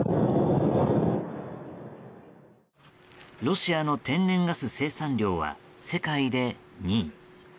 ロシアの天然ガス生産量は世界で２位。